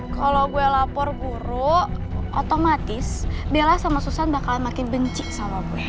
kalau gue lapor guru otomatis bella sama susan bakal makin benci sama gue